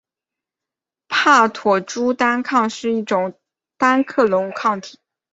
帕妥珠单抗是一种单克隆抗体。